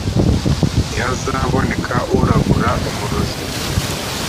gut ntihazaboneke uragura umurozi